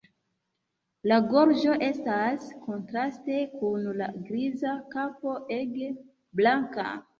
La gorĝo estas kontraste kun la griza kapo ege blanka.